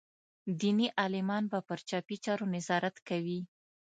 دیني عالمان به پر چاپي چارو نظارت کوي.